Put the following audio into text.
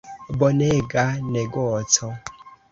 Bonega negoco.